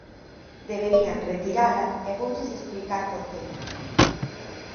Deberían retirala e voulles explicar por que.